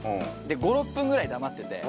５６分ぐらい黙ってて。